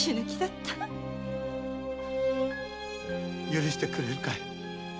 許してくれるかい。